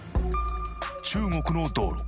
中国の道路